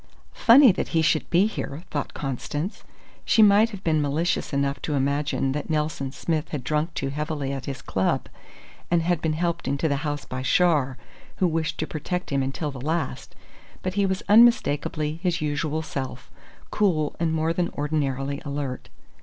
"Funny that he should be here!" thought Constance. She might have been malicious enough to imagine that Nelson Smith had drunk too heavily at his club, and had been helped into the house by Char, who wished to protect him until the last; but he was unmistakably his usual self: cool, and more than ordinarily alert.